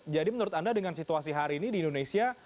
jadi menurut anda dengan situasi hari ini di indonesia